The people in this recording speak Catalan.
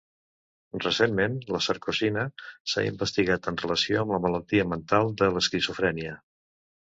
Recentment, la sarcosina s'ha investigat en relació amb la malaltia mental de l'esquizofrènia